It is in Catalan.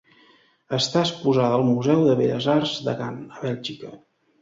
Està exposada al Museu de Belles Arts de Gant, a Bèlgica.